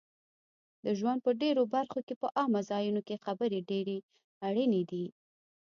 د ژوند په ډېرو برخو کې په عامه ځایونو کې خبرې ډېرې اړینې دي